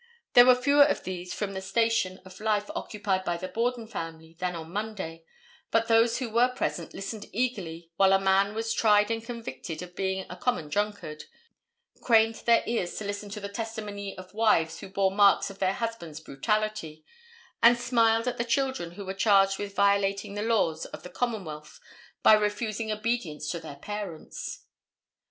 There were fewer of these from the station of life occupied by the Borden family than on Monday, but those who were present listened eagerly while a man was tried and convicted of being a common drunkard; craned their ears to listen to the testimony of wives who bore marks of their husband's brutality, and smiled at the children who were charged with violating the laws of the Commonwealth by refusing obedience to their parents.